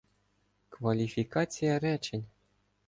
Кваліфікація речень